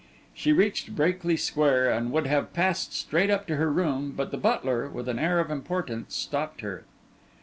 She reached Brakely Square and would have passed straight up to her room, but the butler, with an air of importance, stopped her.